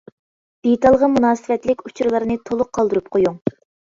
دېتالغا مۇناسىۋەتلىك ئۇچۇرلارنى تولۇق قالدۇرۇپ قويۇڭ.